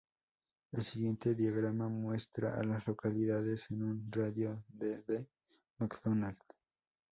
El siguiente diagrama muestra a las localidades en un radio de de McDonald.